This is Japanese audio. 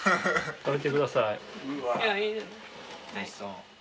食べてください。